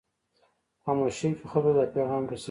په خاموشۍ کې خلکو ته دا پیغام رسوي.